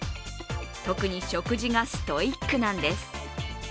特に食事がストイックなんです。